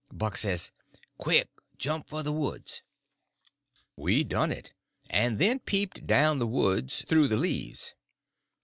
Buck says: "Quick! Jump for the woods!" We done it, and then peeped down the woods through the leaves.